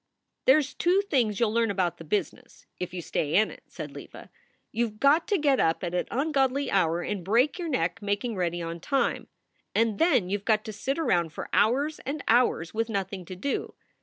There s two things you ll learn about the business, if you stay in it," said Leva; "you ve got to get up at an ungodly hour and break your neck making ready on time. And then you ve got to sit around for hours and hours with nothing to do.